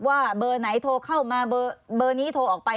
ว่าเบอร์ไหนโทรเข้ามาเบอร์นี้โทรออกไป